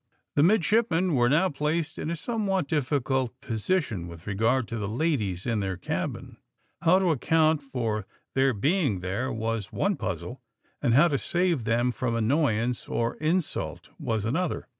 The midshipmen were now placed in a somewhat difficult position with regard to the ladies in their cabin. How to account for their being there was one puzzle, and how to save them from annoyance or insult was another.